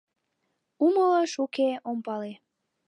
Умылыш, уке, ом пале.